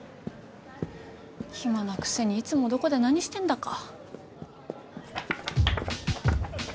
暇なくせにいつもどこで何してんだか。